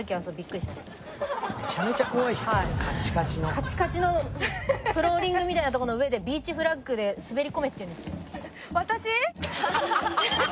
カチカチのフローリングみたいなとこの上でビーチフラッグで滑り込めって言うんですよ。